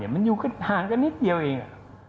มันอยู่ห่างกันนิดเดียวเอง